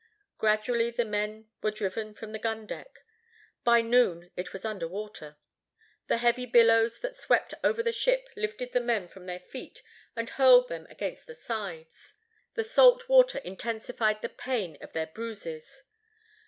Gradually the men were driven from the gun deck. By noon it was under water. The heavy billows that swept over the ship lifted the men from their feet and hurled them against the sides. The salt water intensified the pain of their bruises.